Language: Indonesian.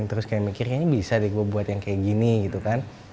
terus kayak mikir ini bisa deh gue buat yang kayak gini gitu kan